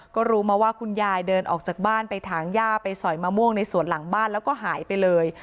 ก็รู้มาว่าคุณยายเดินออกจากบ้านไปถางย่าไปสอยมะม่วงในสวนหลังบ้านแล้วก็หายไปเลย